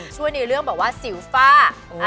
ช่วยในเรื่องแบบว่าสิวฟ้า